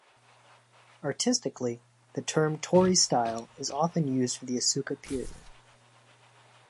Artistically, the term Tori Style is often used for the Asuka period.